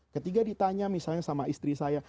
ketika ditanya misalnya sama istri saya